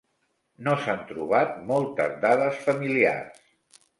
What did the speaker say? No s'han trobat moltes dades familiars.